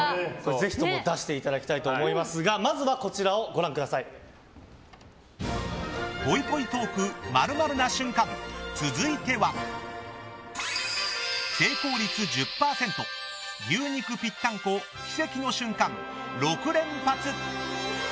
ぜひとも出していただきたいと思いますがぽいぽいトーク○○な瞬間続いては成功率１０％牛肉ぴったんこ奇跡の瞬間６連発。